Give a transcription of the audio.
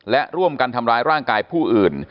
และร่วมกันทำร้ายร่างกายผู้อื่น